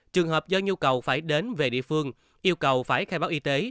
trường hợp do nhu cầu phải đến về địa phương yêu cầu phải khai báo y tế